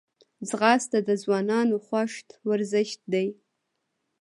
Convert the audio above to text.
ځغاسته د ځوانانو خوښ ورزش دی